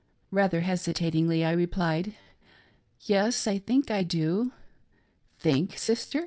'" Rather hesitatingly I replied, " Yes, I think I do." " Think ! sister